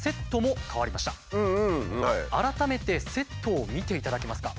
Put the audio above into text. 改めてセットを見ていただけますか？